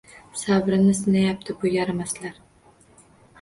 Sabrini sinayapti bu yaramaslar